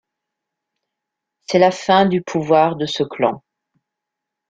C'est la fin du pouvoir de ce clan.